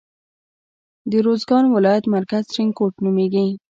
د روزګان ولایت مرکز ترینکوټ نومیږي.